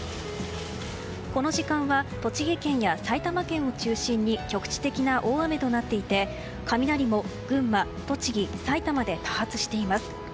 この時間は栃木県や埼玉県を中心に局地的な大雨となっていて雷も群馬、栃木、さいたまで多発しています。